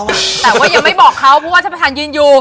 แต่ว่ายังไม่บอกเขาเพราะว่าท่านประธานยืนอยู่